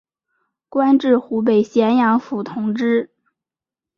官至湖北襄阳府同知。